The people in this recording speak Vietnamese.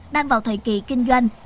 đang vào thời kỳ kinh doanh